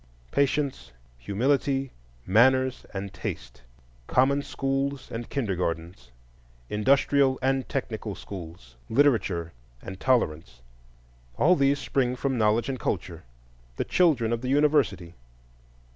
Patience, Humility, Manners, and Taste, common schools and kindergartens, industrial and technical schools, literature and tolerance,—all these spring from knowledge and culture, the children of the university.